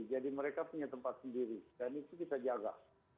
jadi mereka punya tempat sendiri dan itu kita jaga